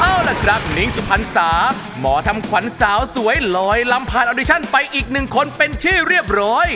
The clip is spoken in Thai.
เอาล่ะครับนิ้งสุพรรษาหมอทำขวัญสาวสวยลอยลำผ่านออดิชั่นไปอีกหนึ่งคนเป็นที่เรียบร้อย